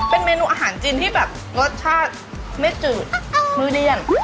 เป็นเมนูอาหารจีนที่รสชาติไม่จืด